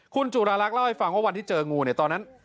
คุณจุราลักษ์เล่าให้ฟังว่าวันที่เจองูเนี่ยตอนนั้น